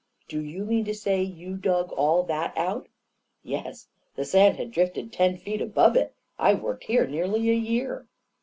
" Do you mean to say you dug all that out ?" 44 Yes — the sand had drifted ten feet above it. I worked here nearly a year."